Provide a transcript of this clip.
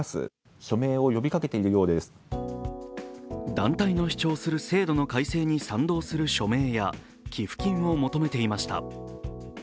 団体の主張する制度の改正に賛同する署名や寄付金を求めていました。